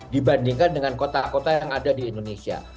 dibandingkan dengan kota kota yang ada di indonesia